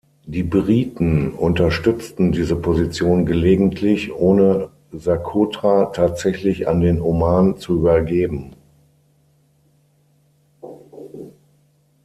Die Briten unterstützten diese Position gelegentlich, ohne Sokotra tatsächlich an den Oman zu übergeben.